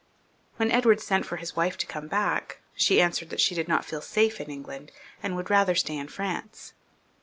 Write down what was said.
When Edward sent for his wife to come back, she answered that she did not feel safe in England, and would rather stay in France.